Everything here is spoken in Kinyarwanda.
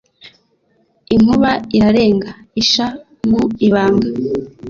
Inkuba irarenga-Isha mu ibanga.